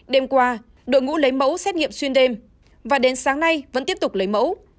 đêm qua đội ngũ lấy mẫu xét nghiệm xuyên đêm và đến sáng nay vẫn tiếp tục lấy mẫu